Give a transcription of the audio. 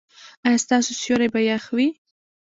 ایا ستاسو سیوري به يخ وي؟